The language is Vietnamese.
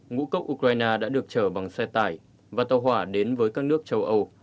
ngũ cốc ukraine đã được chở bằng xe tải và tàu hỏa đến với các nước châu âu